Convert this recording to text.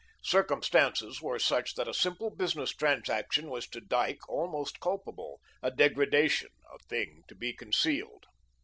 Circumstances were such that a simple business transaction was to Dyke almost culpable, a degradation, a thing to be concealed.